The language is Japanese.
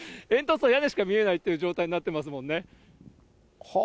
煙突と屋根しか見えないという状態になってますもんね。